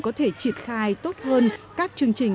có thể triệt khai tốt hơn các chương trình